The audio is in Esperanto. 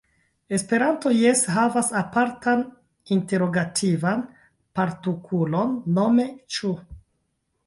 Esperanto jes havas apartan interogativan partukulon, nome "ĉu".